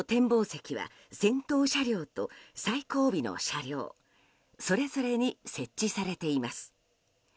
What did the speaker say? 席は先頭車両と最後尾の車両それぞれに設置されています。